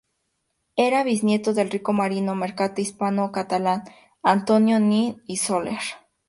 Era bisnieto del rico marino mercante hispano-catalán Antonio Nin y Soler.